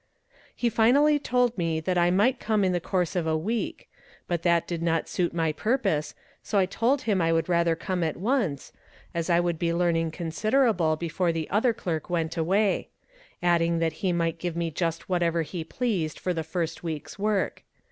He finally told me that I might come in the course of a week; but that did not suit my purpose, so I told him I would rather come at once, as I would be learning considerable before the other clerk went away; adding that he might give me just whatever he pleased for the first week's work.